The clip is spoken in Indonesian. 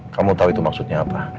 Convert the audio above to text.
kamu tahu itu maksudnya apa